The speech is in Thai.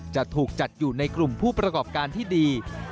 จะถูกจัดอยู่ในกลุ่มผู้ประกอบการที่ดี